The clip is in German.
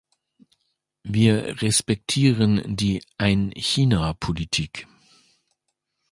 Wir respektieren die "Ein-China-Politik".